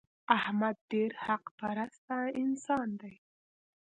احمد ډېر حق پرسته انسان دی.